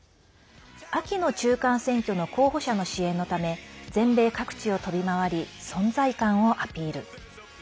秋の中間選挙の候補者の支援のため全米各地を飛び回り存在感をアピール。